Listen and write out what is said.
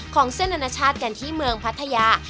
ของเส้นอนาชาติกันที่เมืองพัทยา